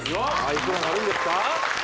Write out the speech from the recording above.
いくらなるんですか？